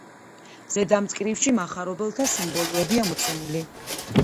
ზედა მწკრივში მახარობელთა სიმბოლოებია მოცემული.